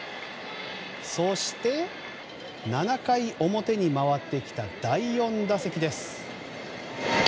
そして、７回表に回ってきた第４打席です。